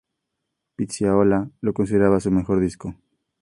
Piazzolla lo consideraba su mejor disco.